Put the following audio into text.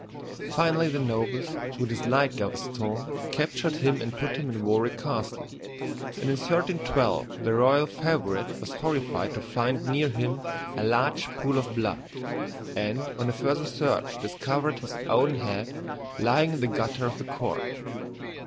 Finally the nobles, who disliked Gaveston, captured him and put him in Warwick Castle, and in 1312 the royal favorite was horrified to find near him a large pool of blood, and on a further search discovered his own head lying in the gutter of the court.